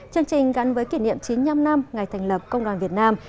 chương trình gắn với kỷ niệm chín mươi năm năm ngày thành lập công đoàn việt nam